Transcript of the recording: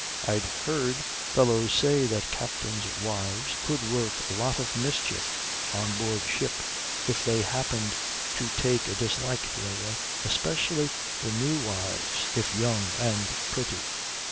I'd heard fellows say that captains' wives could work a lot of mischief on board ship if they happened to take a dislike to anyone; especially the new wives if young and pretty.